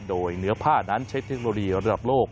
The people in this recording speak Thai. โดยเนื้อผ้านั้นใช้เทคโนโลยีระดับโลก